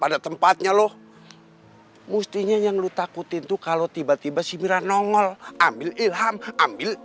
pada tempatnya loh mestinya yang lu takutin tuh kalau tiba tiba si mira nongol ambil ilham ambil